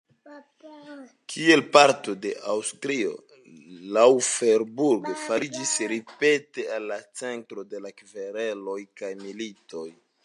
Kiel parto de Aŭstrio Laufenburg fariĝis ripete en la centro de kvereloj kaj militoj.